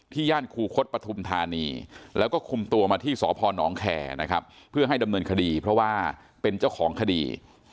ย่านคูคศปฐุมธานีแล้วก็คุมตัวมาที่สพนแคร์นะครับเพื่อให้ดำเนินคดีเพราะว่าเป็นเจ้าของคดี